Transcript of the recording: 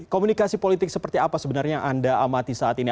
komunikasi politik seperti apa sebenarnya yang anda amati saat ini